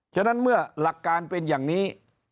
ฉะนั้นเมื่อหลักการเป็นอย่างนี้